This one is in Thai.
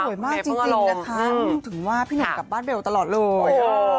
มากจริงนะคะถึงว่าพี่หนุ่มกลับบ้านเบลตลอดเลย